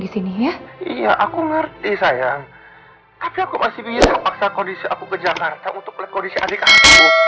tapi aku masih bisa paksa kondisi aku ke jakarta untuk melihat kondisi adik aku